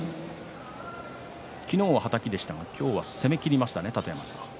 昨日は、はたきでしたが今日は攻めきりましたね楯山さん。